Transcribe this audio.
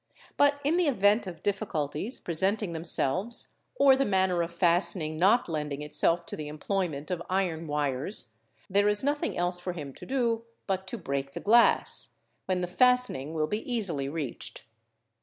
But 724 THEFT in the event of difficulties presenting themselves or the manner of fastening not lending itself to the employment of iron wires, there is nothing else for him to do but to break the glass; when the fastening will be easily reached.